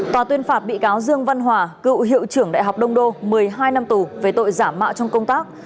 tòa tuyên phạt bị cáo dương văn hòa cựu hiệu trưởng đại học đông đô một mươi hai năm tù về tội giả mạo trong công tác